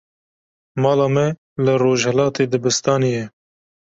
Mala me li rojhilatê dibistanê ye.